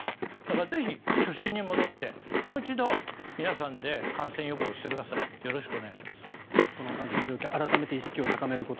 ぜひ、初心に戻ってもう一度皆さんで感染予防をしてください。